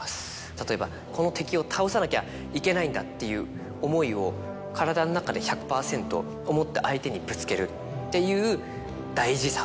例えばこの敵を倒さなきゃいけないんだっていう思いを体の中で１００％思って相手にぶつけるっていう大事さ。